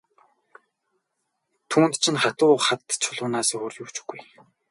Түүнд чинь хатуу хад чулуунаас өөр юу ч үгүй.